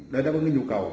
đó là một cái nhu cầu